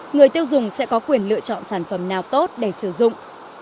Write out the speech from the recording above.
người tiêu dùng sẽ có quyền lựa chọn sản phẩm nào tốt để sử dụng